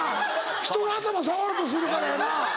人の頭触ろうとするからやな。